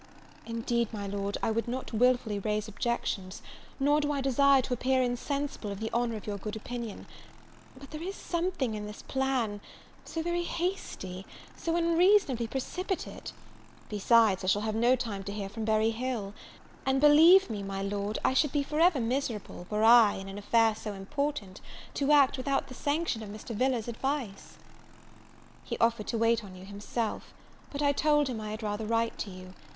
"Indeed, my Lord, I would not wilfully raise objections, nor do I desire to appear insensible of the honour of your good opinion; but there is something in this plan so very hasty so unreasonably precipitate: besides, I shall have no time to hear from Berry Hill; and believe me, my Lord, I should be for ever miserable, were I, in an affair so important, to act without the sanction of Mr. Villars's advice." He offered to wait on you himself: but I told him I had rather write to you.